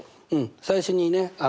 最初にね